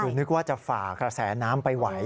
คือนึกว่าจะฝ่ากระแสน้ำไปไหว